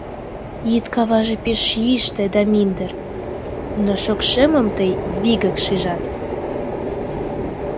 Йӱд каваже пеш йӱштӧ да мӱндыр, Но шокшемым тый вигак шижат.